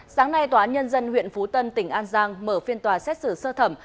sáng nay tòa án nhân dân huyện phú tân tỉnh an giang mở phiên tòa xét xử sơ thẩm